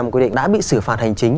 quy định đã bị xử phạt hành chính